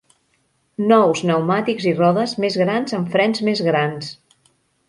Nous pneumàtics i rodes mes grans amb frens més grans.